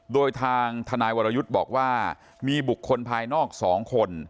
โดยทางทนายวรยุทธ์บอกว่ามีบุคคลภายนอก๒คน